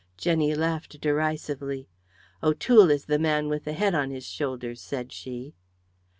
Jenny laughed derisively. "O'Toole is the man with the head on his shoulders," said she.